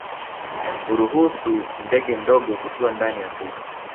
Huruhusu ndege ndogo kutua ndani ya mbuga